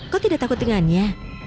kau tidak takut dengannya